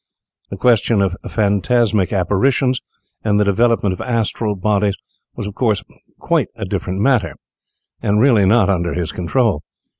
The question of phantasmic apparitions, and the development of astral bodies, was of course quite a different matter, and really not under his control.